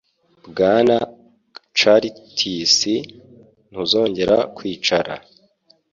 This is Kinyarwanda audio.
Bwana Curtis, ntuzongera kwicara?